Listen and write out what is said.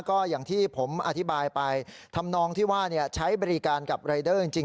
ก็อย่างที่ผมอธิบายไปทำนองที่ว่าใช้บริการกับรายเดอร์จริง